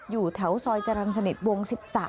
อยู่แถวซอยจรรย์สนิทวง๑๓